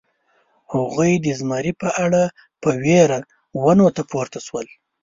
هغوی د زمري په اړه په وېره ونو ته پورته شول.